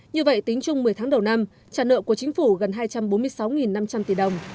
như vậy tính chung một mươi tháng đầu năm trả nợ của chính phủ gần hai trăm bốn mươi sáu năm trăm linh tỷ đồng